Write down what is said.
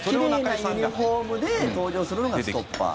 奇麗なユニホームで登場するのがストッパー。